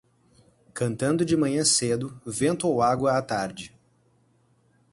Cantando de manhã cedo, vento ou água à tarde.